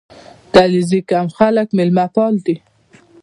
• د علیزي قوم خلک میلمهپال دي.